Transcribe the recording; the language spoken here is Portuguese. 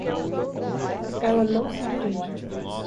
Ela não se dirige.